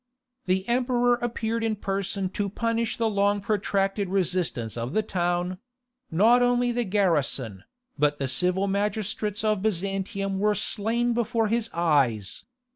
The emperor appeared in person to punish the long protracted resistance of the town; not only the garrison, but the civil magistrates of Byzantium were slain before his eyes.